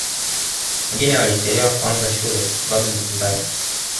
wengine walichelewa kuanza shule kwa sababu mbalimbali